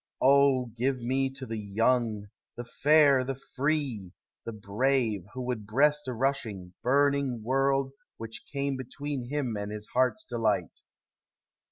Oh give me to the young, the fair, the free, The brave, who would breast a rushing, burning world Which came between him and his heart's delight.